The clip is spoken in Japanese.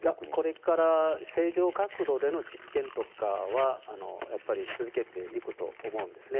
これから正常角度での実験とかは、やっぱり続けていくと思うんですね。